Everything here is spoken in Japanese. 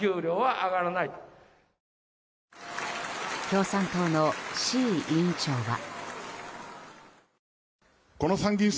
共産党の志位委員長は。